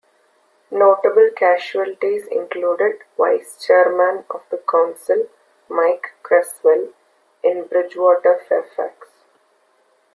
Notable casualties included Vice-Chairman of the Council Mike Creswell, in Bridgwater Fairfax.